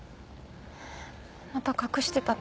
また隠してたって事？